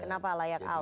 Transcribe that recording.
kenapa layak out